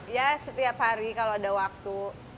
ya setiap hari kalau ada waktu